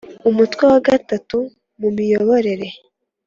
umutwe wa gatatu mu mu miyoborere